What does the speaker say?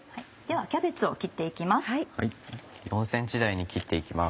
キャベツを切って行きます。